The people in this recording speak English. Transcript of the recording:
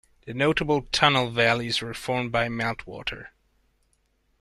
The notable tunnel valleys were formed by meltwater.